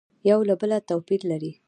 یو له بله تو پیر لري